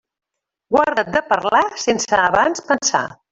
Guarda't de parlar sense abans pensar.